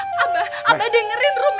saya harus bertemu sama bang robi